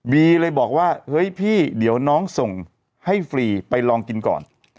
เลยบอกว่าเฮ้ยพี่เดี๋ยวน้องส่งให้ฟรีไปลองกินก่อน